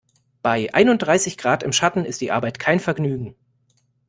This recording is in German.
Bei einunddreißig Grad im Schatten ist die Arbeit kein Vergnügen.